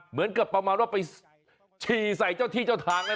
เหมือนกับประมาณว่าไปฉี่ใส่เจ้าที่เจ้าทางแล้ว